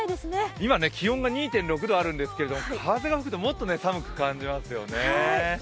今、気温が２．６度あるんですけれども、風が吹くともっと寒く感じますよね。